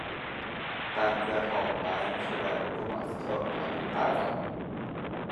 但最后莱恩却被多马斯特打晕带走。